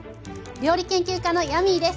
料理研究家のヤミーです。